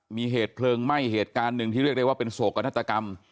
มีเหตุเพลิงไหม้เหตุการณ์หนึ่งที่เรียกได้ว่าเป็นโศกนาฏกรรม